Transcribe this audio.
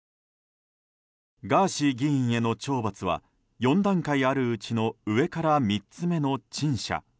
ガーシー議員への懲罰は４段階あるうちの上から３つ目の陳謝。